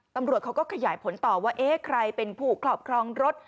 ตำรวจเขาก็ขยายผลต่อว่าเอ๊ะใครเป็นผู้ครอบครองรถ